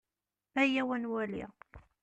Ayaw ad nwali.